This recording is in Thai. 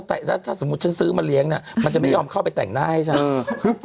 แต่ถ้าสมมุติฉันซื้อมาเลี้ยงมันจะไม่ยอมเข้าไปแต่งหน้าให้ฉัน